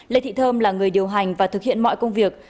lê thị thơm là người điều hành và thực hiện mọi công việc